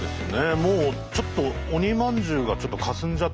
もうちょっと鬼まんじゅうがかすんじゃってて。